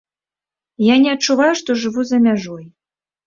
Я не адчуваю, што жыву за мяжой.